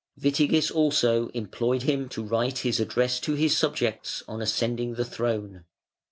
Witigis also employed him to write his address to his subjects on ascending the throne.